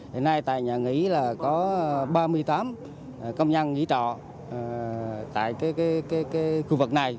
hôm nay tại nhà nghỉ là có ba mươi tám công nhân nghỉ trọ tại cái khu vực này